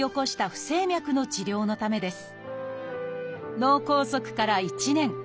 脳梗塞から１年。